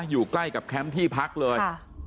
อยู่ใกล้กับแคมป์ที่พักเลย